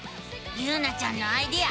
ゆうなちゃんのアイデアすごいね！